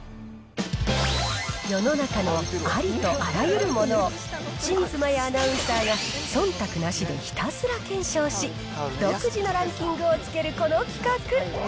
世の中のありとあらゆるものを、清水麻椰アナウンサーがそんたくなしでひたすら検証し、独自のランキングをつけるこの企画。